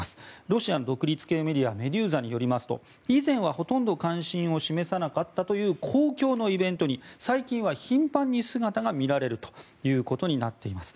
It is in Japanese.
ロシアの独立系メディアメデューザによりますと以前はほとんど関心を示さなかった公共のイベントに最近は頻繁に姿が見られるということになっています。